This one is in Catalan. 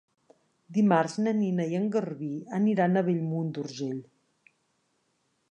Dimarts na Nina i en Garbí aniran a Bellmunt d'Urgell.